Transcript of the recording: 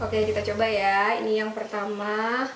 oke kita coba ya ini yang pertama